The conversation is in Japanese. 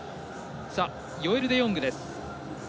ヨエル・デヨングです。